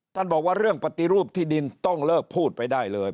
ท่านบอกว่าเรื่องปฏิรูปที่ดินต้องเลิกพูดไปได้เลย